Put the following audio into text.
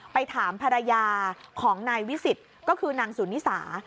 ไปถามภรรยาของนายวิสิทธิ์ก็คือนางสุนิสา